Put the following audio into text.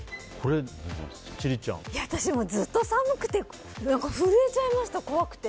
私もずっと寒くて震えちゃいました、怖くて。